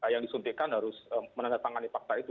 yang disuntikan harus menandatangani fakta itu